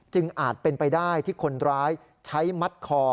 อาจเป็นไปได้ที่คนร้ายใช้มัดคอ